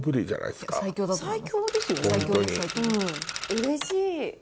うれしい！